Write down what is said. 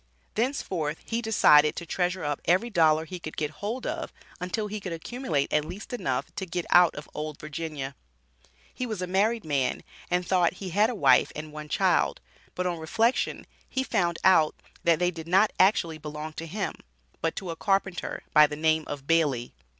Thenceforth he decided to treasure up every dollar he could get hold of until he could accumulate at least enough to get out of "Old Virginia." He was a married man, and thought he had a wife and one child, but on reflection, he found out that they did not actually belong to him, but to a carpenter, by the name of Bailey.